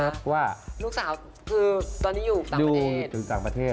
ลูกสาวคือตอนนี้อยู่ต่างประเทศ